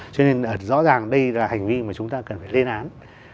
cho nên rõ ràng đây là hành vi mà chúng ta cần phải lên án